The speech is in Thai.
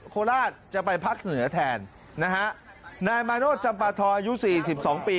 โคลาศจะไปพักเหนือแทนนะฮะนายมายโนเส์จับปลาทอายุสี่สิบสองปี